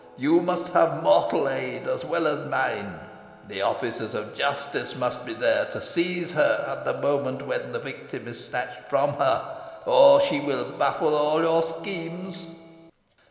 You must have mortal aid as well as mine. The officers of justice must be there to seize her at the moment when the victim is snatched from her, or she will baffle all your schemes."